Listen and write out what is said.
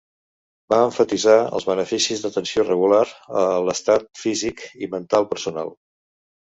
Va emfasitzar els beneficis d'atenció regular a l'estat físic i mental personal.